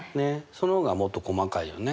その方がもっと細かいよね。